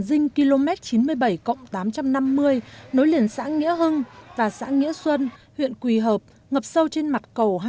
dinh km chín mươi bảy tám trăm năm mươi nối liền xã nghĩa hưng và xã nghĩa xuân huyện quỳ hợp ngập sâu trên mặt cầu